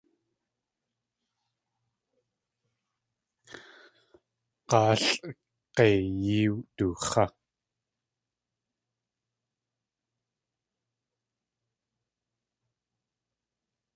Gáalʼ g̲eiyí dux̲á.